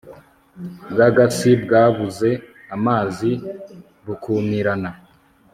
bw'agasi bwabuze amazi bukumirana